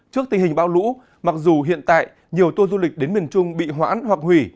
trước tình hình bão lũ mặc dù hiện tại nhiều tour du lịch đến miền trung bị hoãn hoặc hủy